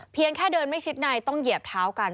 แค่เดินไม่ชิดในต้องเหยียบเท้ากัน